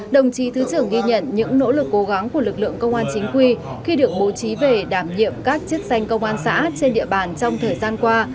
đồng chí thứ trưởng ghi nhận những nỗ lực cố gắng của lực lượng công an chính quy khi được bố trí về đảm nhiệm các chức danh công an xã trên địa bàn trong thời gian qua